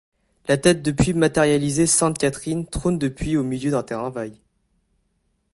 La tête de puits matérialisée Sainte-Catherine trône depuis au milieu d'un terrain vague.